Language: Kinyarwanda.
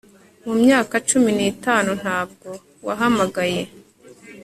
Mu myaka cumi nitanu ntabwo wahamagaye